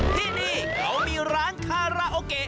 ที่นี่เขามีร้านคาราโอเกะ